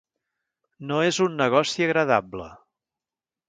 No és un negoci agradable.